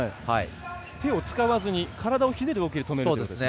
手を使わずに体をひねる動きで止めるんですね。